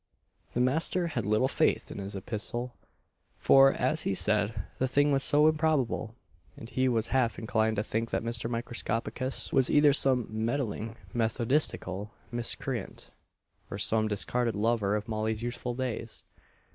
The master had little faith in this epistle; for, as he said, the thing was so improbable; and he was half inclined to think that Mr. Microscopicus was either some meddling methodistical miscreant, or some discarded lover of Molly's youthful days.